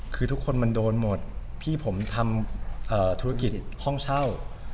คือทุกคนมันโดนหมดพี่ผมทำธุรกิจห้องเช่า